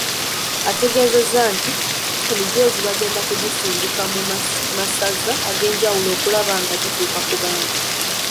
Ategeezezza nti emijoozi bagenda kugisindika mu Masaza ag'enjawulo okulaba nga gituuka ku bantu.